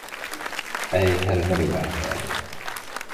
I had another whack at it.